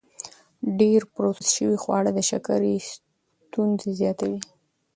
ډېر پروسس شوي خواړه د شکرې ستونزې زیاتوي.